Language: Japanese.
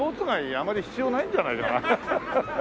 あんまり必要ないんじゃないかな？